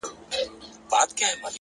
پوهه د ذهن افق ته رڼا ورکوي،